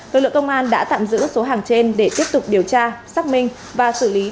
tổ lực công an đã tạm giữ số hàng trên để tiếp tục điều tra xác minh và xử lý theo quy định